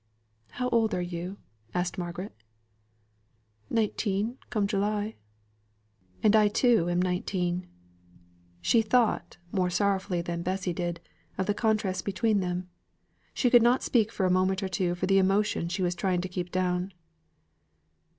"How old are you?" asked Margaret. "Nineteen, come July." "And I too am nineteen." She thought more sorrowfully than Bessy did, of the contrast between them. She could not speak for a moment or two for the emotion she was trying to keep down.